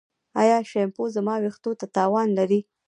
ایا شیمپو زما ویښتو ته تاوان لري؟